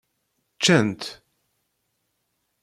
Ččant.